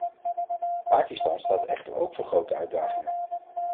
Pakistan staat echter ook voor grote uitdagingen.